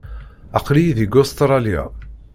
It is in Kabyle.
Aql-iyi deg Ustṛalya.